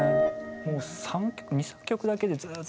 もう２３曲だけでずっと。